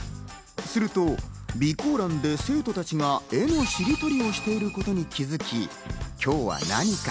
すると備考欄で生徒たちが絵のしりとりをしていることに気づき、今日は何か？